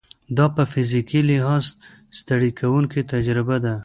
دا په فزیکي لحاظ ستړې کوونکې تجربه ده.